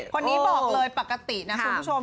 คนนี้บอกเลยปกตินะคุณผู้ชม